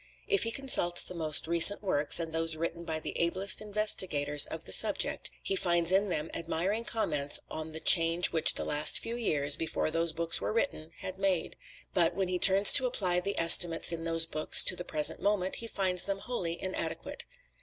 If he consults the most recent works, and those written by the ablest investigators of the subject, he finds in them admiring comments on the change which the last few years, before those books were written, had made; but when he turns to apply the estimates in those books to the present moment, he finds them wholly inadequate.